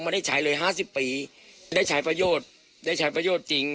ไม่ได้ใช้เลยห้าสิบปีได้ใช้ประโยชน์ได้ใช้ประโยชน์จริง